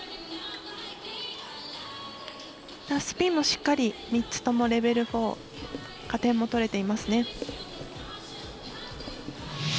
スピンもしっかり３つともレベル４加点も取れていますね。